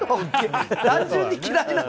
単純に嫌いなの？